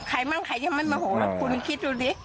ใครมั้งใครยังไม่มาโหมาคุณคิดดูดิ